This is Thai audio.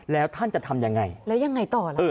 แล้วท่านจะทำอย่างไง